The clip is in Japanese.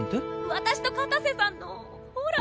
私と片瀬さんのほら！